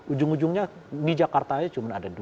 ujung ujungnya di jakarta aja cuma ada dua